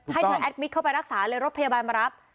ให้เธอแอดมิตรเข้าไปรักษาเลยรถพยาบาลมารับ